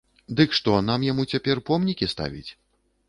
Дык што, нам яму цяпер помнікі ставіць?